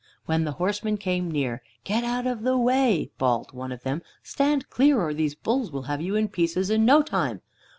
When the horsemen came near, "Get out of the way!" bawled one of them. "Stand clear, or these bulls will have you in pieces in no time."